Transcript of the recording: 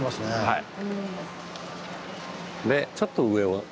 はい。